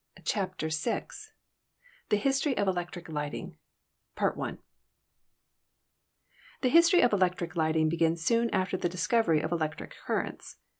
CHAPTER VI THE HISTORY OF ELECTRIC LIGHTING The history of electric lighting begins soon after the discovery of electric currents.